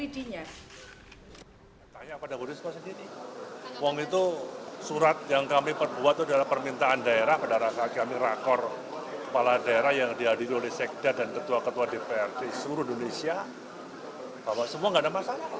dan ketua ketua dprd seluruh indonesia bahwa semua tidak ada masalah